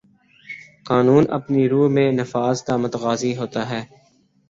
قانون اپنی روح میں نفاذ کا متقاضی ہوتا ہے